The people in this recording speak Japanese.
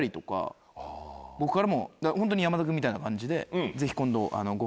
僕からもホントに山田君みたいな感じで「ぜひ」。